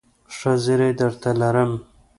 ښه زېری درته لرم ..